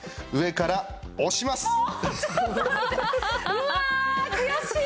うわー悔しい！